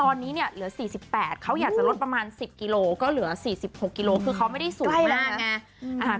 ตอนนี้เนี่ยเหลือ๔๘เขาอยากจะลดประมาณ๑๐กิโลก็เหลือ๔๖กิโลคือเขาไม่ได้สูงมากไง